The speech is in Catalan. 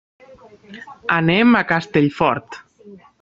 Anem a Castellfort.